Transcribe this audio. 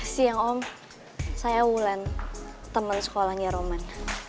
siang om saya wulan teman sekolahnya roman